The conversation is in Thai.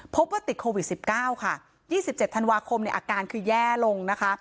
พบว่าติดโควิด๑๙ค่ะ๒๗ธันวาคมเนี่ยอาการคือแย่ลงนะคะ